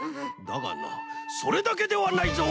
だがなそれだけではないぞ！